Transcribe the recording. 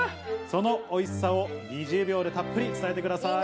そのおいしさを２０秒でたっぷり伝えてください。